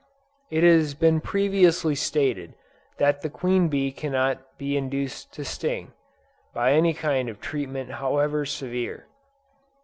It has been previously stated that the queen bee cannot be induced to sting, by any kind of treatment however severe.